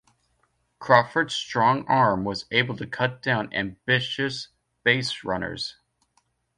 Crawford's strong arm was able to cut down ambitious baserunners.